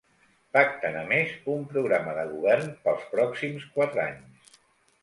Pacten, a més, un programa de govern pels pròxims quatre anys.